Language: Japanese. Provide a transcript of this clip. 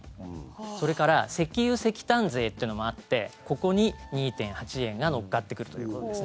それから石油石炭税というのもあってここに２．８円が乗っかってくるということです。